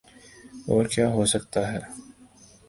اورکیا ہوسکتاہے؟